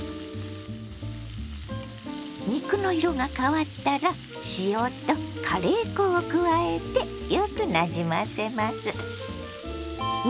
肉の色が変わったら塩とカレー粉を加えてよくなじませます。